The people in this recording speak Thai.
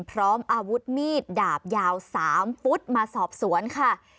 พร้อมอาวุธมีดดาบยาว๓ฟุตมาสอบสวนค่ะ